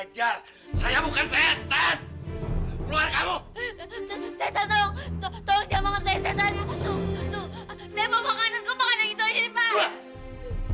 tuh tuh saya mau makanan kok makan yang itu aja nih pak